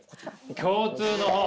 共通の方。